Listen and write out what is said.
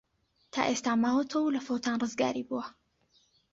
تا ئێستە ماوەتەوە و لە فەوتان ڕزگاری بووە.